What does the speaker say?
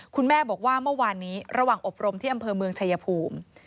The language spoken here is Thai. คุณแม่บอกว่าเมื่อวานนี้ระหว่างอบรมที่อำเภอเมืองชายภูมิ